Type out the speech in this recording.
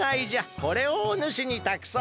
これをおぬしにたくそう。